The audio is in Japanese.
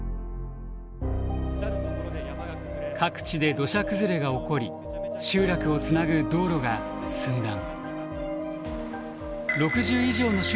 各地で土砂崩れが起こり集落をつなぐ道路が寸断。